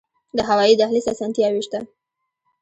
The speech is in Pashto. د هوایی دهلیز اسانتیاوې شته؟